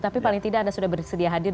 tapi paling tidak anda sudah bersedia hadir